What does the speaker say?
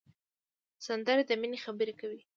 سندره د مینې خبرې کوي